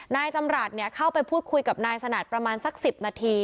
นายจำรัฐเข้าไปพูดคุยกับนายสนัดประมาณสัก๑๐นาที